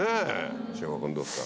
重岡君どうですか？